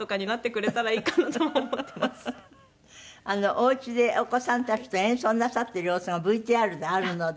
お家でお子さんたちと演奏なさっている様子がＶＴＲであるので。